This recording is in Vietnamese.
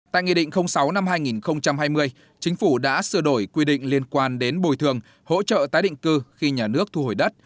tại nghị định sáu năm hai nghìn hai mươi chính phủ đã sửa đổi quy định liên quan đến bồi thường hỗ trợ tái định cư khi nhà nước thu hồi đất